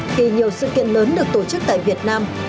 khi nhiều sự kiện lớn được tổ chức tại việt nam